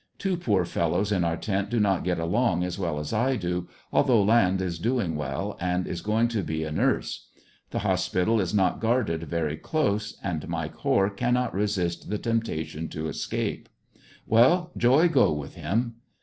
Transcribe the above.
Two poor fellows in our tent do not get along as well as I do, although Land is doing well and is going to be a nurse. The hospital is not guarded very close and MiK:e Hoare cannot resist the temptation to escape. Well, joy go with him.